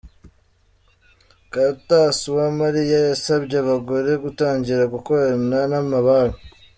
Cartas Uwamariya yasabye abagore gutangira gukorana n'amabanki.